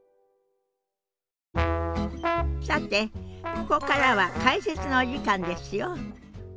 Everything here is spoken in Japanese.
さてここからは解説のお時間ですよ。